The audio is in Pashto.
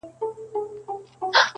نه دعا نه په جومات کي خیراتونو!!